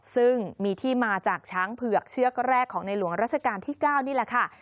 ซึ่งมีที่มาจากช้างเผือกเชือกแรกของในหลวงราชการที่๙นี่แหละค่ะ